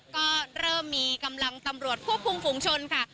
ก็เริ่มมีกำลังตำรวจควบคุมฝุงชนค่ะ